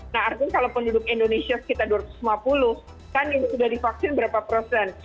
nah artinya kalau penduduk indonesia sekitar dua ratus lima puluh kan sudah divaksin berapa persen